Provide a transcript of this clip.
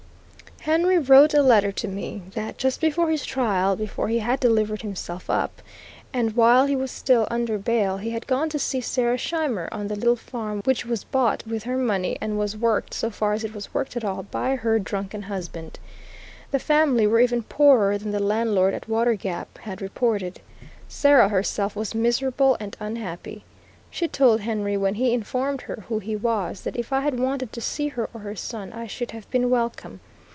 Henry wrote a letter to me, that just before his trial, before he had delivered himself up, and while he was still under bail, he had gone to see Sarah Scheimer on the little farm which was bought with her money, and was worked, so far as it was worked at all, by her drunken husband. The family were even poorer than the landlord at Water Gap had reported. Sarah herself was miserable and unhappy. She told Henry, when he informed her who he was, that if I had wanted to see her or her son, I should have been welcome.